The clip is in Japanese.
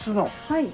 はい。